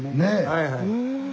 はいはい。